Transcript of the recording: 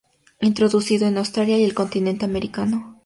Introducido en Australia y el Continente americano.